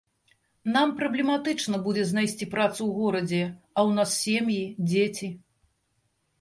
Нам праблематычна будзе знайсці працу ў горадзе, а ў нас сем'і, дзеці.